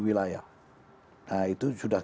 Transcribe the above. wilayah nah itu sudah